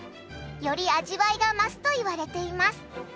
より味わいが増すといわれています。